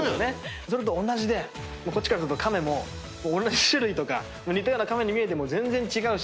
それと同じでこっちからするとカメも同じ種類とか似たようなカメに見えても全然違うし。